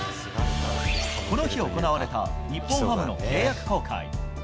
この日、行われた日本ハムの契約更改。